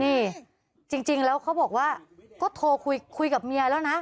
นี่จริงแล้วเขาบอกว่าก็โทรคุยกับเมียแล้วนะ